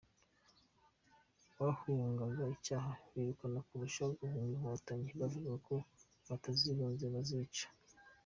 Bahungaga icyaha kibirukamo kurusha guhunga Inkotanyi bavugaga ko batazihunze zabica.